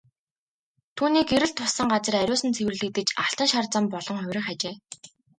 Түүний гэрэл туссан газар ариусан цэвэрлэгдэж алтан шар зам болон хувирах ажээ.